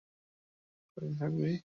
এভাবে আর কতদিন থাকবি?